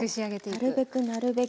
なるべくなるべく。